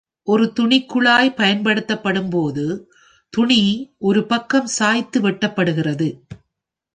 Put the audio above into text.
ஒரு துணி குழாய் பயன்படுத்தப்படும்போது, துணி ஒருபக்கம் சாய்த்து வெட்டப்படுகிறது.